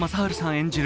演じる